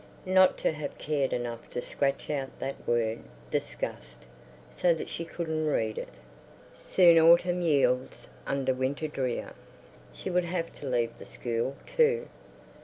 Not to have cared enough to scratch out that word "disgust," so that she couldn't read it! Soon Autumn yields unto Winter Drear. She would have to leave the school, too.